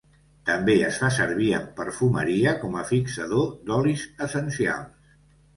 També es fa servir en perfumeria com a fixador d'olis essencials.